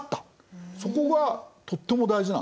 そこがとっても大事なんです。